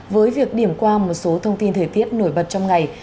với việc điểm qua một số thông tin thời tiết nổi bật trong ngày